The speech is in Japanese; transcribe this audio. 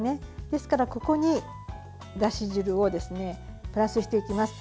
ですからここにだし汁をプラスしていきます。